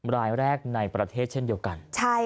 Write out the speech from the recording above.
รายแรกในประเทศเช่นเดียวกัน